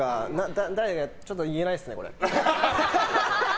誰がちょっと言えないですね。